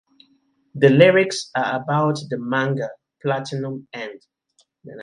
The lyrics are about the manga "Platinum End".